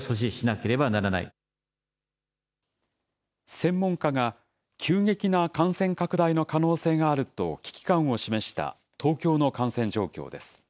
専門家が急激な感染拡大の可能性があると、危機感を示した東京の感染状況です。